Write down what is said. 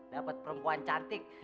dapet perempuan cantik